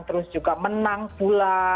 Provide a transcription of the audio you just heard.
terus juga menang pula